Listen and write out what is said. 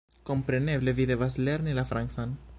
Kompreneble, vi devas lerni la francan!